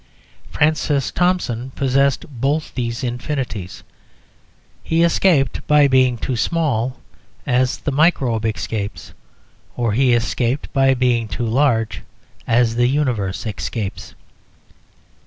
Francis Thompson possessed both these infinities. He escaped by being too small, as the microbe escapes; or he escaped by being too large, as the universe escapes.